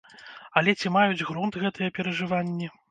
Але ці маюць грунт гэтыя перажыванні?